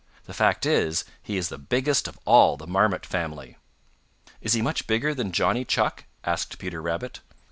The fact is, he is the biggest of all the Marmot family." "Is he much bigger than Johnny Chuck?" asked Peter Rabbit.